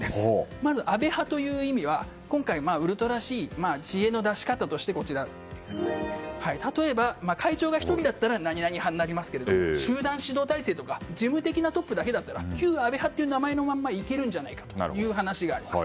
安倍派という意味は今回ウルトラＣ、知恵の出し方で例えば、会長が１人だったら何々派になりますけど集団指導体制とか事務的なトップだけだったら旧安倍派という名前のままいけるという話があります。